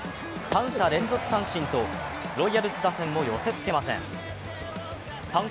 ３者連続三振とロイヤルズ打線を寄せ付けません。